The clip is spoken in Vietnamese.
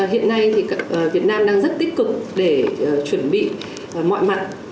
hiện nay thì việt nam đang rất tích cực để chuẩn bị mọi mặt